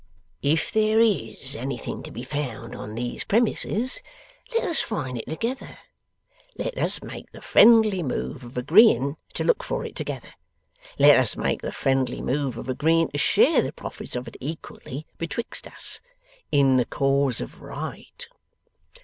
'If there IS anything to be found on these premises, let us find it together. Let us make the friendly move of agreeing to look for it together. Let us make the friendly move of agreeing to share the profits of it equally betwixt us. In the cause of the right.